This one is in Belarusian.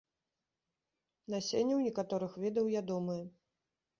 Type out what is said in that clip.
Насенне ў некаторых відаў ядомае.